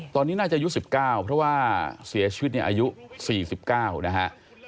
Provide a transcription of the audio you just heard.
ตอนนี้น่าจะอายุ๑๙เพราะว่าเสียชีวิตในอายุ๔๙นะฮะ